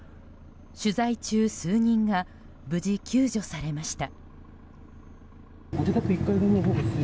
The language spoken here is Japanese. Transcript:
取材中数人が無事救助されました。